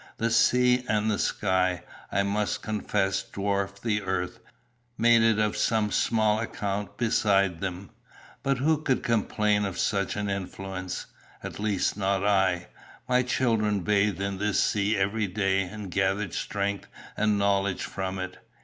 The sea and the sky, I must confess, dwarfed the earth, made it of small account beside them; but who could complain of such an influence? At least, not I. My children bathed in this sea every day, and gathered strength and knowledge from it.